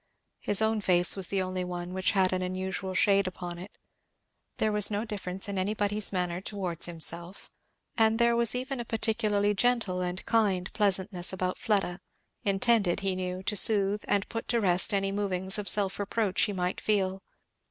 His own face was the only one which had an unusual shade upon it. There was no difference in anybody's manner towards himself; and there was even a particularly gentle and kind pleasantness about Fleda, intended, he knew, to soothe and put to rest any movings of self reproach he might feel.